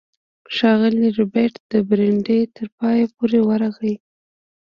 ښاغلی ربیټ د برنډې تر پایه پورې ورغی